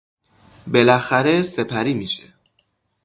بلاخره سپری میشه